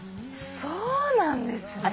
そうなんですね。